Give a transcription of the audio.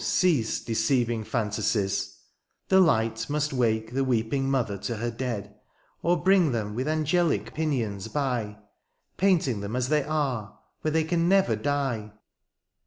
cease^ deceiving phantasies ; the light Must wake the weeping mother to her dead^ Or bring them with angelic pinions by, Painting them as they are, where they can never die.